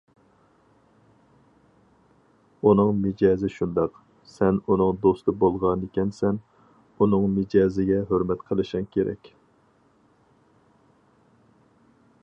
ئۇنىڭ مىجەزى شۇنداق، سەن ئۇنىڭ دوستى بولغانكەنسەن، ئۇنىڭ مىجەزىگە ھۆرمەت قىلىشىڭ كېرەك.